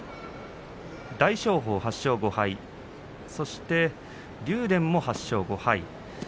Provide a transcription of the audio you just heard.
大翔鵬、８勝５敗そして竜電も８勝５敗。